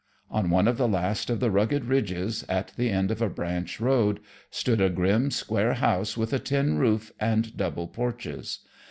On one of the last of the rugged ridges, at the end of a branch road, stood a grim square house with a tin roof and double porches.